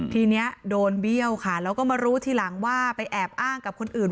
ทีนี้โดนเบี้ยวค่ะแล้วก็มารู้ทีหลังว่าไปแอบอ้างกับคนอื่น